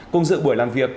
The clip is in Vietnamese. cùng dự buổi làm việc